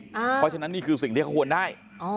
เพราะฉะนั้นนี่คือสิ่งที่เขาควรได้